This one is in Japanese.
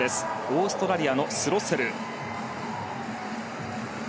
オーストラリアのスロッセル。